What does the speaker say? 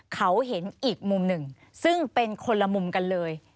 เขาเห็นอีกมุมหนึ่งซึ่งเป็นคนละมุมกันเลย